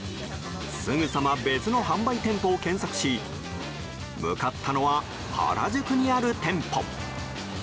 すぐさま別の販売店舗を検索し向かったのは原宿にある店舗。